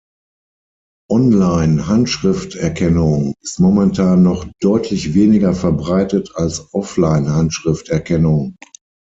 On-line-Handschrifterkennung ist momentan noch deutlich weniger verbreitet als Off-line-Handschrifterkennung.